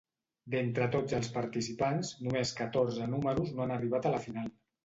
D'entre tots els participants només catorze números no han arribat a la final.